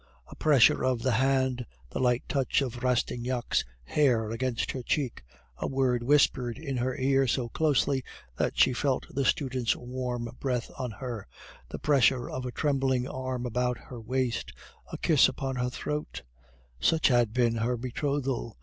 A pressure of the hand, the light touch of Rastignac's hair against her cheek, a word whispered in her ear so closely that she felt the student's warm breath on her, the pressure of a trembling arm about her waist, a kiss upon her throat such had been her betrothal.